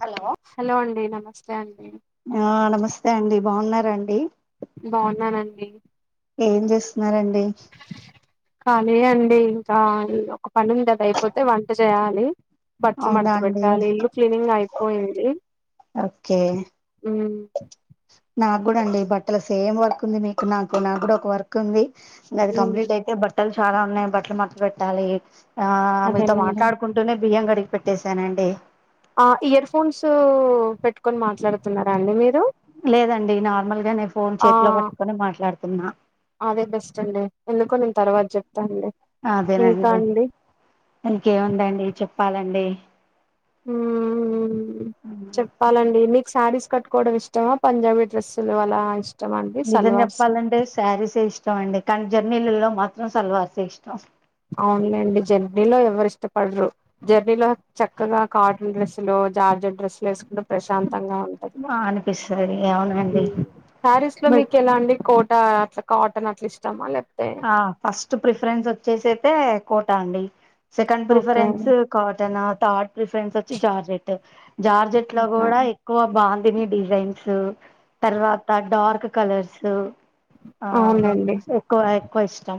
Hello hello అండి నమస్తే అండి ఆహ్ నమస్తే అండి బాగున్నారండి బాగున్నానండి ఏం చేస్తున్నారండి కాలీ ఏ అండి ఇంకా ఒక పని ఉంది అది అయిపోతే వంట చేయాలి బట్టలు అవునా మడత అండి పెట్టాలి ఇల్లు క్లీనింగ్ అయిపోయింది ఓకే ఉమ్ నాకు గుడా అండి బట్టల సేమ్ వర్క్ ఉంది మీకు నాకు నాకు కూడా ఒక వర్క్ ఉంది ఇంగ అది ఉమ్ కంప్లీట్ అయితే బట్టలు చాలా ఉన్నాయి బట్టలు మడత పెట్టాలి ఆహ్ మీతో అదేనండి మాట్లాడుకుంటూనే బియ్యం కడిగేసి పెట్టేశానండి ఆ ఇయర్ ఫోన్సు పెట్టు లేదండి నార్మల్గానే ఫోన్ ఆ చేతిలో పట్టుకొని మాట్లాడు తున్న అదే బెస్ట్ అండి ఎందుకో నేను తర్వాత చెప్ అదేనండి ఇంకేముందండి చెప్పాలండి ఉమ్ చెప్పాలండి మీ సారీస్ కట్కోవడం ఇష్టమా పంజాబీ డ్రెస్లు అలా ఇష్ట నిజం చెప్పాలంటే సారీసే ఇష్టం అండి కానీ జర్నీలలో మాత్రం సల్వార్సే ఇష్టం అవునులేండి జర్నీలో ఎవరు ఇష్టపడరు జర్నీలో చక్కగా కాటన్ డ్రెస్సులు జార్జెట్ డ్రస్లు వసుకుంట ప్రశాంతంగా ఉంటది బా అనిపిస్తది అవునండి ఉమ్ సారీస్ లో బట్ మీకు ఎలా అండి కోట్ అట్లా కాటన్ అట్లా ఇష్టామా లేక్ ఆ ఫస్ట్ ప్రిఫరెన్స్ వచ్చేసైతే కోట అండి second okay preference cotton third preference వచ్చి జార్జెట్ జార్జెట్ లో ఓకే కూడా ఎక్కువ బాన్ ని డిజైన్స్ తర్వాత డార్క్ కలర్స్ ఆహ్ అవునులేండి ఎక్కువ ఎక్కువ ఇష్టం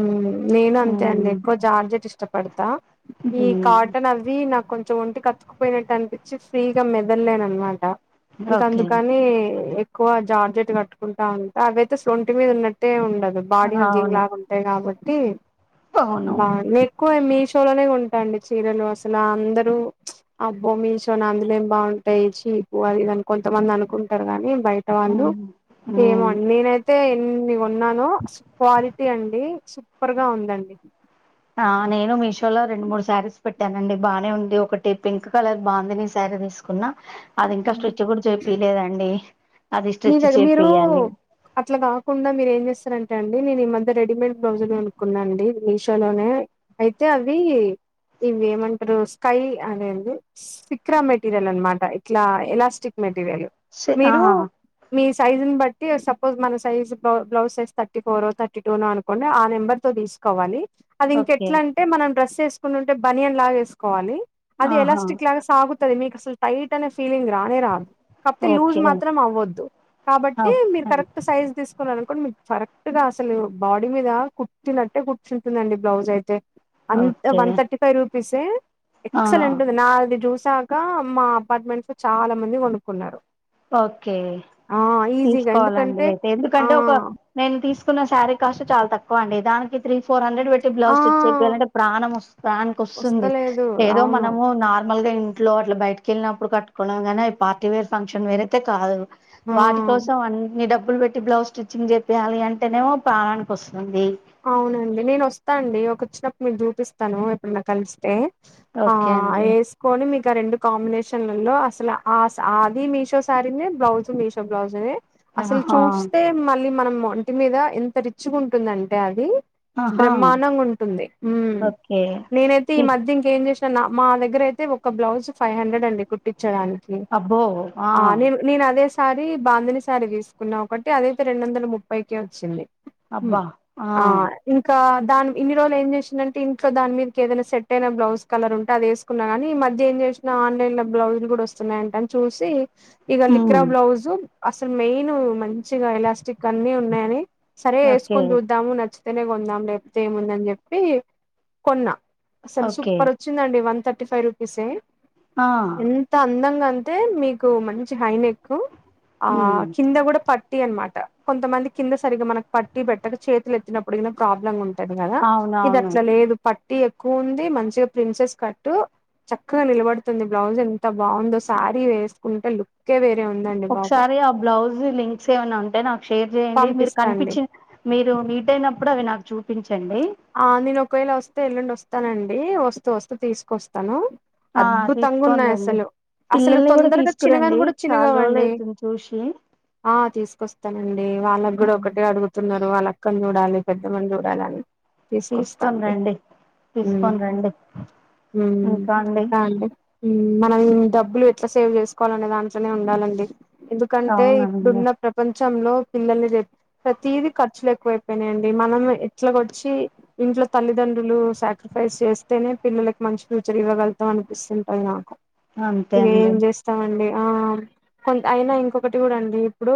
ఉమ్ నేను అంతే అండి మ్మ్ ఎక్కువ జార్జెట్ ఇష్టం పడతా ఈ మ్మ్ కాటన్ అవీ నాకు కొంచెం ఒంటి కత్తుకుపోయినట్టు అనిపించి ఫ్రీగా మెదల్లేన అనమాట ఇంక ఓకే అందుకని ఎక్కువ జార్జెట్ కట్టుకుంటా ఉంటే అవియితే స్లొంటి మీద ఉన్నట్టే ఉండదు బాడీ హగ్గింగ్ అవును లాగా ఉ గాబట్టి అవును బాగు నెకువ మీ షో మేషో లో నే కొంటా అండి చీరలు అసలు అందరూ అబ్బా మీషో నా అందులో ఏం బాగుంటాయి చి పు అది అని కొంతమంది అనుకుంటారు గానీ బయట వాళ్ళు మ్మ్ ఏమో మ్మ్ అన్ నేనైతే ఎన్ని కొన్నానో క్వాలిటీ అన్ సూపర్ గా ఉందండి ఆ నేను మీషోలో రెండు మూడు శారీస్ పెట్టానండి బానే ఉంది ఒకటి పింక్ కలర్ బాందిని శారీ తీసుకున్నా అది ఇంకా ఉమ్ స్టిచ్ కూడా చెపిలేదండి మీ దగ్గర మీరు అట్లా కాకుండా మీరు ఏం చేస్తారం అండి నేను ఈ మధ్య రెడీమేడ్ బ్లౌజులు అనుకున్నా అండి మీషో లోనే అయితే అవి ఇవి ఏమంటారు స్కై అది ఎంది సిక్రా మెటీరియల్ అనమాట ఇట్లా ఎలాస్టిక్ మెట్ టిరియల్ సే మీరు ఆహా మీ సైజుని బట్టి సపోజ్ మన size blouse size thirty four thirty two నో అనుకోండి ఆ నెంబర్ తో తీసుకోవాలి అది ఓకే ఇంకెట్లా అంటే మనం డ్రస్ చేసుకుంటుంటే బనియన్ లాగ వేసుకోవాలి అది ఆహా ఎలాస్టిక్ లాగా సాగుతది మీకస్సలు టైట్ అనే ఫీలింగ్ రానే రాదు కాపోతే లూజ్ ఓకే మాత్రం అవ్వద్దు కాబట్టి మీరు ఓకే కరెక్ట్ సైజ్ తీసుకున్న అనుకోండి మీ కరెక్ట్ గా అసలు బాడీ మీద కుట్టినట్టే కుర్చుంటుందండి బ్లౌజ్ అయితే అంత okay one thirty five rupees ఆ ఎక్సలెంట్ నాది జ్యూస్ కాగా మా అపార్ట్మెంట్స్ లో చాలా మంది కొనుక్కున్నారు ఓకే ఆ ఈజీగా తీసుకోవాలండి ఎందుకంటే అయితే ఆ ఎందుకంటే ఒక నేను తీసుకున్న శారీ కాస్ట్ చాలా తక్ తకువ అండి దానికి త్రీ ఫోర్ హండ్రెడ్ ట్టి పెట్టి ఆ బ్లౌజ్ స్టిచ్ చెపియాలి అంటే ప్రాణం వస్ ప్రాణానికి వస్తుంది వస్తలేదు ఏదో అవును మనము నార్ నార్మల్ గా ఇంట్లో అట్లా బయటకి వెళ్ళినప్పుడు కట్టుకువడం గానీ అ పార్టీ వేర్ ఫంక్షన్ వేరైయితే కాదు వాటి ఆ కోసం అన్ని డబ్బులు పెట్టి బ్లౌజ్ స్టిచ్చింగ్ చెప్పియాలి అంటేనేమో ప్రాణానికి వస్తుం అవునండి నేను వస్తా అండి ఒక వచ్చినప్పుడు మీరు చూపిస్తాను ఎప్పుడన్నా కలిస్తే ఓకే అండి ఇంకా రెండు కాంబినేషన్లలో అసలు ఆస్ అ ది మీషో శారీ నే బ్లౌజ్ మీషో బ్లౌజ నే అసలు ఆహా చూస్తే మళ్ళీ మనం ఒంటి మీద ఎంత రిచ్ గుంటుందంటే అది ఆహా బ్రహ్మాండంగా ఉంటుంది ఉ ఓకే నేనైతే ఈ ఇ మధ్య ఇంకేం చేసినాను నా మా దగ్గర అయితే ఒక బ్లౌజ్ ఫైవ్ హండ్రెడ్ అండి కుట్టించడానికి ఆ నిన్ నిన్ అదేస్ సారి బాందిని శారీ తీసుకున్నా ఒకటి అదయితే రెండు వందల ముప్పైకె వచ్చింది హ్మ్. అబ్బా ఆ ఇంకా కా దాని ఇన్ని రోజులు ఏం చేసింనంటే ఇంట్లో దాని మీదకి ఏదైనా సెట్ అయిన బ్లౌజ్ కలర్ ఉంటే అది వేసుకున్నా కానీ ఈ మ మధ్య ఏం చేసినా ఆన్లైన్ లో బ్లౌజ్లు కూడా వస్తున్నాయంట అని చూసి ఇగ లిక్రా ఉమ్ బ్లౌజు అసలు మెయిన్ మ మంచిగా ఎలాస్టిక్ అన్ని ఉన్నాయని సరే ఓకే వేసుకొన్ చుద్ నచ్చితనే కొందాం లేకపోతే ఏముందని చెప్పి కొన్నా అసలు ఓకే సూపర్ వచ్చిందండి వన్ థర్టీ ఫైవ్ రూపీసే ఆ ఎంత అందంగా అంతే మీకు మంచి హైనెక్ ఆ ఉమ్ కింద కూడా పట్ ట్టి అన్మాట కొంతమంది కింద సరిగా మనకు పట్టి పెట్టక చేతులు ఎత్తినప్పుడు ప్రాబ్లమ్ ఉం టది కదా ఇది అవునవును అట్లా లేదు పట్టి ఎక్కువ ఉంది మంచిగా ప్రిన్సెస్ కట్టు చక్కగా నిలబడుతుంది బ్లౌజ్ ఎంత బాగుందో శారీ వేసుకుంటే లుక్కే వే ఒకసారి ఆ బ్లౌజ్ లింక్స్ ఏమైనా ఉంటే నాకు షేర్ చేయండి మీరు పంపిస్తాండి కనిపించి మీర్ రు మీట్ అయినప్పుడు అవి నాకు చూపించండి డి వస్తూ వస్తూ తీసుకొస్తాను ఆ అద్భుతంగా తీసుకొని ఉన్నాయి రండి అసలు అసలు పిల్లల్ని కూడా తొందరగా చినగాని తీసుకురండి కూడా చాలా రోజులు చిన్నగావండి అయితుంది చూసి ఆ తీసుకొస్తానండి వాళ్ళకు కూడా ఉమ్ ఒకటే అడుగుతున్నారు మన అక్కని చూడాలి పెద్దమని చూడాలిని తీసుకని రండి ఉ తీసుకొని రండి ఉ ఇంకా అండి ఇంకండి మనం డబ్బులు ఎట్లా సేవ్ చేసుకోవాలనే దాంట్లోనే ఉండాలండి ఎందుకంటే అవునండి ఇప్పుడున్న ప్రపంచంలో పిల్లల్ని ప్రతీదీ ఖర్చు ఏ ఎక్కువైపోయినాయండి మనం ఎట్లాగొచ్చి ఇంట్లో తల్లిదండ్రులు సాక్రిఫైస్ చేస్తేనే పిల్ల మంచి ఫ్యూచర్ ఇవ్వగగుతాం అనిపిస్తుంటంది నాకు అంతే ఇక అండి ఏం చేస్తాండి కొ అయినా ఇంకొకటి కూడా అండి ఇప్పుడు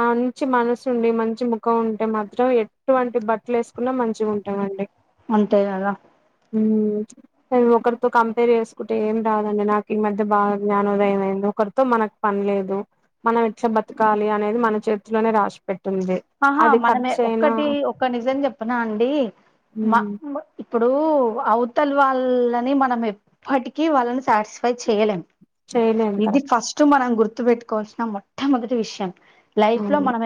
మంచి మనసు ఉండి మంచి ముఖం ఉ టే మాత్రం ఎటువంటి బట్టలు వేసుకున్నా మంచిగా ఉంటామండి అంతే కదా అ ఒకరితో కంపేర్ చేసుకుంటే ఏం రాదండి నాకు ఈ మధ్య బాగా జ్ఞానోదయం అయిందో ఒకరితో మనకు పనిలేదు మనం ఇట్లా బతకాలి అనేది మన చేతిలోనే రాసు పెట్ంది ఆ మనమే ఒక్కటి ఒక నిజం చెప్పన్నా అండి మా ఉమ్, ఇప్పుడు అవతల వాళ్ళని మనం ఎప్పటికీ వాళ్ళని సాటిస్ఫై చేయలేం చేయలేం ఇది కరెక్ట్ ఫస్ట్ మనం గుర్తు పెట్టుకోవాల్సిన మొట్టమొదటి విషయం లైఫ్ లో అవును మనం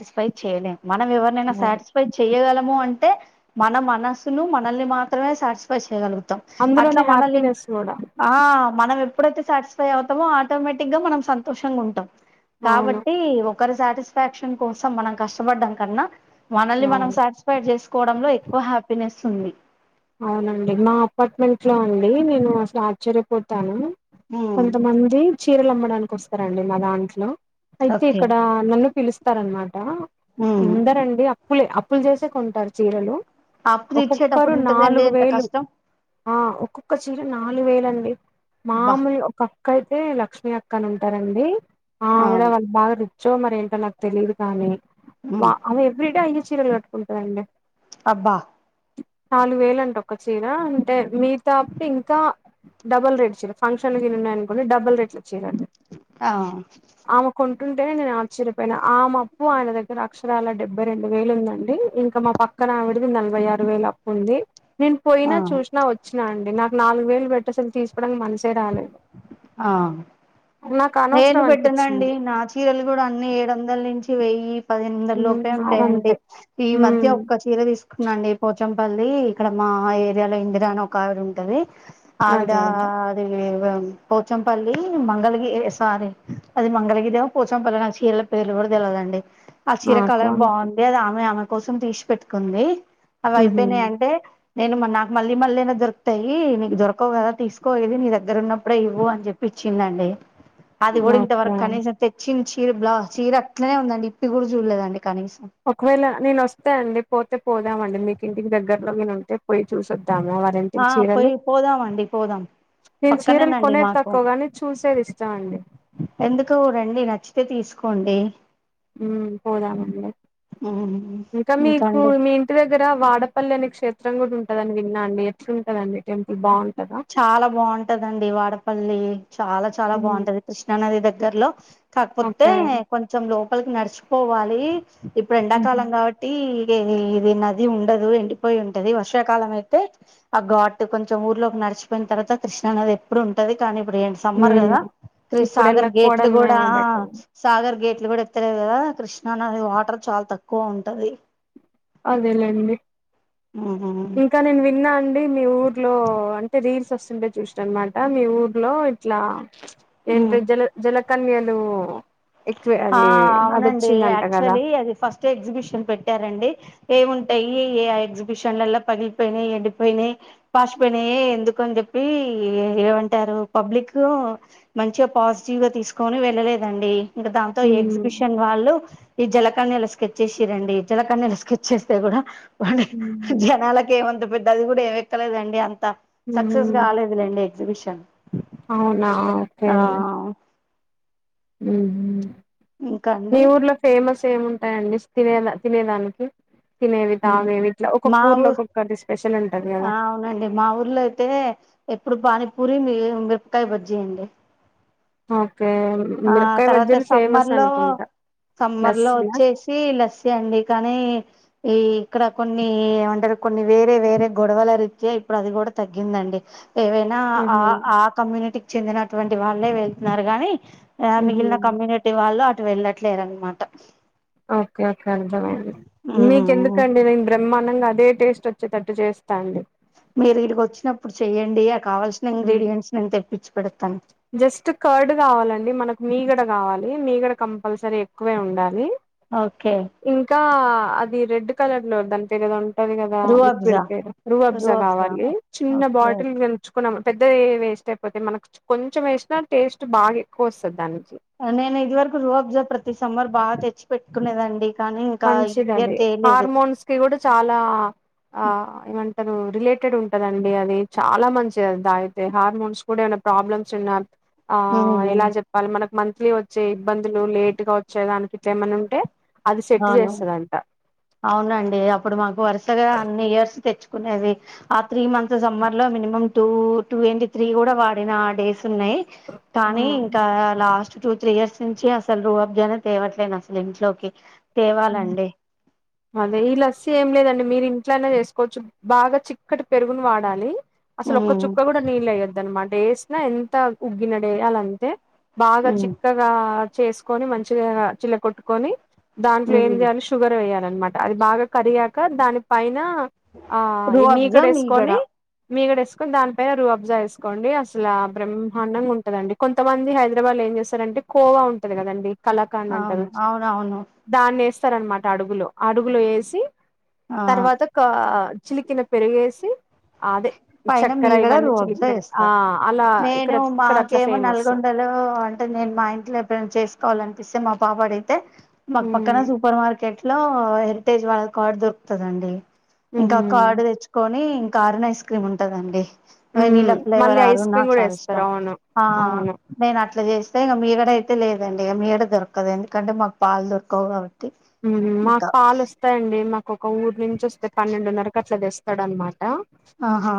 టిస్ఫై చేయలే మనం ఎవరినైనా అవును. సాటిస్ఫై చేయగలము అంటే అంటే మన మనసును మనల్ని మాత్రమే సాటిస్ఫై చేయగలుగు తం అట్లా అందులోనే మనల్ని హ్యాపీనెస్ కూడా ఆ మనం ఎప్పుడైతే సాటిస్ఫై అవుతామో ఆటోమేటిక్ గా మనం సంతోషంగా ఉంటాం అవును కాబట్టి ఒకరు సాటిస్ఫై కోసం మనం కష్టపడడం కన్నా మనల్ని అవును మనం సాటిస్ఫై చేసుకోవడంలో ఎక్కువ హ్యాపీనెస్ ఉంది అవునండి మా అపార్ట్మెంట్ లో అండి నేను అసలు ఆశ్చర్యపోతాను ఉమ్ కొంతమంది చీరలు అమ్మడానికి వస్తారండి మా దాంట్లో అయితే ఓకే ఇక్కడ నన్ను పిలుస్తార అనమాట ఉమ్ అందరండి అప్పులే ఆప్పులు చేసే కొంటారు చీరలు అప్పు తిరిచ్చేటప్పుడు నాలుగువేలు ఆ ఒక్కఒక్క చి నాలుగు వేల అండి బా మామూలు ఒక అక్క అయితే లక్ష్మీ అక్క అని ఉంటారండి ఆ ఆవిడ అవును వాళ్ళు బాగా రిచ్చో మరి ఏంటో నాకు తెలీదు కానీ వా అ ఎవ్రీడే అయ్యచ్చ చీరలు కట్టుకుంటారండి అబ్బా నాలుగు వేల అంటే ఒక చీర అంటే మీతోప్పుడు ఇంకా డబు రట్ ఫంక్షన్లు ఉన్నా అనుకోండీ డబల్ రేట్లు ర ఆ ఆమె కొ ఆంటేనే నేను ఆశ్చర్యపోయిన ఆ మా అప్పు ఆయన దగ్గర అక్షరాల డెబ్బై రెండు వేలు ఉందండి ఇంకా మా పక్క క్క నా విడది నలభై ఆరు వేల అప్పుంది నేను పోయినా ఆ చూసిన వచ్చినా అండి నాకు నాలుగు వేలు పెట్టి అసలు తీసుకోవడానికి మనసే రాలేదు ఆ నాకు నేను అనవసరం పెట్టనండి అనిపించింది నా చీరలు కూడా అన్ని ఏడు వందల నుంచి వెయ్య పదినిమింద హ్మ్ లోపే ఉంటాయండి అదంతే ఈ మధ్య హ్మ్ ఒక్క చీర తీసుకున్నాండి పోచంపల్లి ఇక్కడ మా ఏరియాలో ఇందిరా అని ఒక ఆవిడ ఉంటది ఆవిడ అదే అదే రాలీట్ వ్యం పోచంపల్లి మంగళ్ గి ఎసు సారీ అది మంగళ్ గిరో పోచ్చంపల్లో చీర్లా పేర్లు గూడా తెల్వదండి ఆ చీర నాకు కలర్ అంతే బాఉంది అది ఆమె ఆమె కోసం తీస్ పెట్టుకుంది హుహు. అవైపేయ్ నై అంటే నేను మా నాక్ మళ్ళీ మళ్ళైనా దొర్కుతాయ్ నీకు దొరకవు కదా తీసుకో ఇది నీ దగ్గర ఉన్నప్పుడే ఇవ్వు అన్ జేప్పి చిందండి అది కూడా ఇంతవర్క్ ఓకే కనీసం తెచ్చిన్ చీర బ్లా చీర అట్లనే ఉందండి ఇప్పి గూడా జూడ్ లేదండి ఒక్ వేళ నేనోస్తే అండి పోతే పోదామండి మీకీ ఇంటికి దగ్గర్లో నేనుంటే పోయ్ చూసొద్ దామ ఆ వారింటిక్ చీరాలు పోయి పోదామండి పోదాం నేన్ చీర్లు పక్కనేనండి కొనేద్ మాకు తక్కు గాని చూసేద్ ఇష్టవండి ఎందుకు రండి నచ్చితే తీస్ కోండి ఉమ్ పోదామండి ఉమ్ ఇంకా మీకు ఇంకండి మీ ఇంటి దగ్గర వాడపల్లే అనే క్షేప్ ష్టంగుటుందని విన్నా అండి ఎట్లుంటదండి టెంపుల్ బాఉం చాలా బాఉంటదండి వాడపల్లి చాలా చాలా బాఉంటది క్రీష్ణా నది దగ్గర్లో కాక్ పోతే ఓకే కొంచెం లోపల్కి నడ్చిపోవాలి ఇపుడు ఉమ్ ఎండాకాలం గావట్టి ఇది ఇది నది ఉండదు ఎండిపేయి ఉంటది వర్షాకాలం ఐతే ఆ ఘాటు కొంచెం ఊర్లోక్ నడ్చ్ చ్ పెన్ తర్వత క్రీష్ణ నది ఇప్పుడుంటాది కానీ మ్ ప్పుడెంటూ సమ్మర్ గదా క్రిస్ ఇప్పుడు సాగర్ గేట్లు వెళ్ళకపోవడమే గూడా ఆ బెటర్ సాగర్ గేట్ ఇద్ గూడా వత్తలేద్ గదా క్రీష్ణా నది వాటర్ చాల్ తక్కువుంటది అదేలేండి ఇంకా నేన్ విన్ నాండ్ డి మీ ఊర్లో అంటే రీల్స్ సోసుంటే చూష్ నన్ మాట మీ ఊర్లో ఇట్లా ఏంటి ఉమ్ జలక్ జలకన్యాలు ఇ ఆ ఔనండి యాక్చువల్లీ అది ఫస్ట్ ఎగ్స్ బిషన్ పెట్టారండి ఏముంటాయి ఏ ఏ ఆ ఎగ్స్ బిషన్లలో పగిల్ పేయినాయి ఎండిపేయినాయి పాష్ పోయినాయే ఎందుకు అన్ జెప్ ఈయియ్ ఏవంటారు పబ్లికు మంచిగా పాజిటివ్ గా తీస్ కొని వెళ్ళలేదండి ఇంగ తో ఎగ్స్ హ్మ్ బిషన్ వాళ్ళు ఈ జలక్ కన్నెల స్కెచేశిరండి జల కన్యాల స్కెచేస్తే గూడా వడల్ జనాలకేవంత్ పెద్ద అది గూడా ఏంవ్ ఎక్కలేదండి అంత సక్సెస్ గాలేదులేండి ఎగ్స్ బిషన్ ఔనా ఓకే ఉమ్ ఇంకా మీ అండి ఊర్లో ఫేమస్ సేముంటాయండి తినేద తినేదాన్కి తినేవి తాగేవి ఇట్లా మా ఒక్కక్ ఊర్లో ఊ ఒక్కక్ టి స్పెషలన్ ఆ ఔనండి మా ఊర్లులైతే ఎప్పుడు బా పనీ పూరి మీ మిర్ ప్ కాయ్ బజ్జీ అండి ఓకే ఆ మిర్పకాయ్ తర్వాత బజ్జిలు ఫేమస్ సమ్మర్ లో అనుకుంటా సమ్మర్ లో లస్సీనా ఓచ్చేసి లస్సి అండి కానీ ఈ ఇక్కడ కొన్ని ఏవంటరు కొన్ని వేరే వేరే గొడవల రీత్యా ఇప్పుడు అది గూడా తగ్గిందండి ఏవైనా ఆ హ్మ్ ఆ కమ్యూనిటీక్ చెందినటువంటి వాళ్ళే వెళ్తున్నారు గాని ఆ మిగిలిన హ్మ్ కమ్యూనిటీ వాళ్ళు అటు వెళ్ళట్లేరన్ మాట ఓకే ఓకే అర్థమైంది మ్మ్ మీకెందుకండి నేన్ బ్రమ్మ నంగా అదే టేస్ట్ వోచ్చేటట్టు చేస్తాండి మీర్ ఈడ్ కోచ్చినప్పుడు చెయ్యండి ఆ కావాల్సిన ఉమ్ ఇంగ్రీడియంట్స్ నేను తెప్పించి పెడతాను జస్టు కర్డ్ గావాలండి మనకు మీగడ గావాలి మీగాడా కంపల్ సరీ ఎక్కువే ఉండాలి ఓకే ఇంకా అద్ ఈ రెడ్డు కలర్ లో దాన్ పేర్ ఏదవం ది కదా లిక్విడ్ రూఅబ్జా పే రూబ్ రోబ్జా కావాలి చిన్న ఓకే బాటిల్ గలుచు న్నా పెద్దది వేస్ట్ అయిపోతే మనకు కొంచెం వేసినా టేస్ట్ బాగా ఎక్కువ వస్తుంది దానికి నేను ఇది వరకు రూబ్జా ప్రతి సమ్మర్ బాగా తెచ్చి పెట్టుకునేదండి కానీ ఇంకా ఈ మంచిది ఇయర్ అది తేలేదు హార్మోన్స్ కి కూడా చాలా ఆ ఏమంటారు రిలేటెడ్ ఉంటదండి అది చాలా మంచిది దా అయితే హార్మోన్స్ కూడా ఏమైనా ప్రాబ్లమ్స్ ఉన్నా ఆ ఎలా హ్మ్. చెప్పాలి మనకు మంత్లీ వచ్చే ఇబ్బందులు లేట్ గా వచ్చేదానికి ఇట్లా ఏమన్నా ఉంటే పర్తి అవును చేస్తుదంట అవునండి అప్పుడు మాకు వరుసగా అన్ని ఇయర్స్ తెచ్చుకు నేది ఆ త్రీ మంత్స్ సమ్మర్ లో మినిమం టూ టూ ఏంటి త్రీ కూడా వాడిన ఆ డేస్ న్నాయి ఆ కానీ ఇంకా లాస్ట్ టూ త్రీ ఇయర్స్ నుంచి అసలు రూహబ్జానే తేవట్లేను అసలు ఇంట్లోకి ఉమ్ తేవాలండి అదే ఈ లస్సీ ఏం లేదండి మీరు ఇంట్లోనా చేసుకోవచ్చు బాగా చిక్కటి పెరుగును వాడాలి అసలు ఒక్క చుక్క కూడా నీళ్ళు అయ్యొదు అన్నమాట డేస్ిన ఎంత ఉగ్గిన డేయాలంతే బాగా చిక్కగా చేసుకొని మంచిగా చిల్ల కొట్టుకొని దాంట్లో ఏం చేయాలి షుగర్ వేయాలిన్నమాట అది బాగా కరిగాక దాని పైన ఆ మీక్కడ రూఅబ్జా మీగడ వేసుకొని మీగడ వేసుకొని దానిపైన రూ అబ్జా వేసుకోండి అసలు ఆ బ్రహ్మాండంగా ఉంటదండి కొంతమంది హైదరాబాద్ ఏం చేస్తారంటే కోవా ఉంటది కదండి కళాకాడ్ అంటారు అవును అవునవును లేస్తారన్నమాట అడుగులో అడుగులో వేసి ఆ తర్వాత కా చిలికి పెరుగు ఎసి అదే పైన చక్కెర మీగడ ఇవన్నీ రోబ్జా చిరికిిన ఆ ఏస్తారు అలా ఇక్కడ నేను ఇక్కడ అట్లా మాకేమో ఫేమస్ నల్గొండలో అంటే నేను మా ఇంట్లో ఎప్పుడైనా చేసుకోవాలంటే పసే మా పాప అడితే మా పక్కన ఉమ్ సూపర్ మార్కెట్ ఇ లో హెరిటేజ్ వాళ్ళ కార్డు దొరుకుతుదండి ఇంకా ఉహు కార్డు తెచ్చుకొని అరుణ్ ఐస్ క్రీమ్ ఉంటదండి ఉమ్ వెనీలా ఫ్లేవర్ మళ్ళీ ఆరు ఐస్ క్రీమ్ నాకు కూడా చాలా వేస్తారు ఇష్టం అవును ఆ అవును నేను ఇట్లా చేస్తే ఇక మీగడ అయితే లేదండి ఇక మీగడ దొరకదు ఎందుకంటే మాకు పాలు దొరకవు కాబట్టి మాకు ఇంకా పాలు వస్తాయంండి మాకు ఒక ఊరు నుంచి వస్తే పన్నెండున్నరకు అట్ల తెస్తాడు అనమాట ఆహా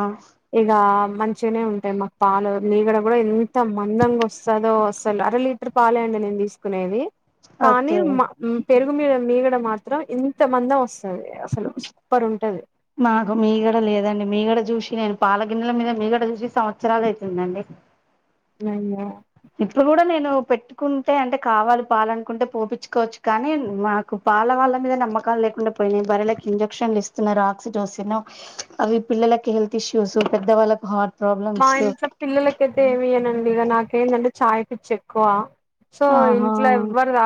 మంచిగానే ఉంటాయి మాకు పాలు మీగడ కూడా ఎంత మందంగా వస్తుందో అసలు అర లీటర్ పాలేంట తీసుకునేది కానీ ఓకే పెరుగు మీ మీగడ మాత్రం ఇంత మందం వస్తు మాకు మీగడా లేదండి మీ కూడాడ చూసి నేను పాలగిన్నెల మీద మీగడ చూసి సంవత్సరాలు అవుతుందండి అయ్యో ఇప్పుడు కూడా నేను పెట్టుకుంటే అంటే కావాలి పాలనుకుంటే పోపచ్చుకోవచ్చు కానీ మాకు పాల వాళ్ళ మీద నమ్మకాలు లేకుడా పోయినాయి బరికి ఇంజెక్షన్లు ఇస్తున్నారు ఆక్సిడోసలో అవి పిల్ల ళ్కి హెల్త్ ఇష్యూస్ పెద్ద వాళ్ళకి హార్ట్ మా ప్రాబ్లమ్స్ ఇంట్లో పిల్లలకైతే ఏమయనండి ఇక నాకేంటంటే చాయ పిర్చ్చి ఎక్కువ సో ఇంట్లో ఆహా ఎవ్వరు తా